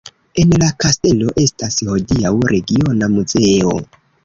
En la kastelo estas hodiaŭ regiona muzeo.